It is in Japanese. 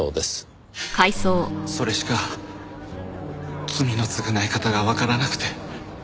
それしか罪の償い方がわからなくて。